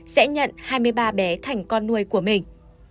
sẽ nhận hai mươi ba bé thành con nuôi của mình